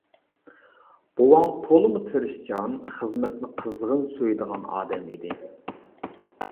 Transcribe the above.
بوۋاڭ تولىمۇ تىرىشچان، خىزمەتنى قىزغىن سۆيىدىغان ئادەم ئىدى.